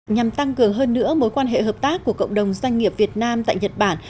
nhằm tăng cường hơn nữa mối quan hệ hợp tác của cộng đồng doanh nghiệp việt nam tại nhật bản